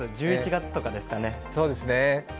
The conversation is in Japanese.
１１月とかですかね。